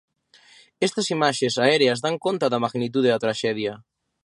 Estas imaxes aéreas dan conta da magnitude da traxedia.